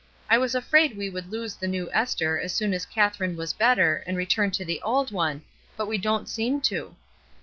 I was afraid we would lose the new Esther as soon as Katherine was better and return to the old one, but we don't seem to."